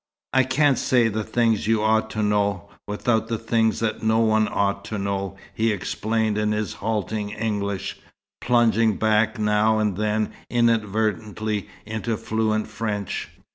"I can't say the things you ought to know, without the things that no one ought to know," he explained in his halting English, plunging back now and then inadvertently into fluent French.